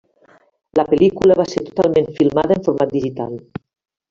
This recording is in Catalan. La pel·lícula va ser totalment filmada en format digital.